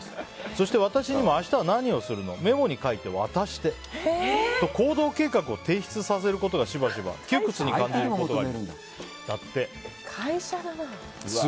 そして私にも明日は何をするのとメモに書いて渡して行動計画を提出させることがしばしば窮屈に感じることがあります。